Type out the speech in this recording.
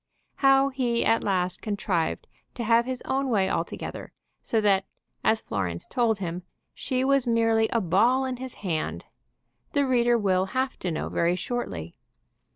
How he at last contrived to have his own way altogether, so that, as Florence told him, she was merely a ball in his hand, the reader will have to know very shortly.